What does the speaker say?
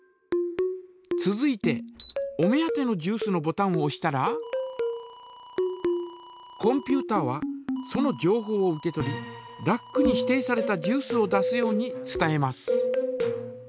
続いてお目当てのジュースのボタンをおしたらコンピュータはそのじょうほうを受け取りラックに指定されたジュースを出すように伝えます。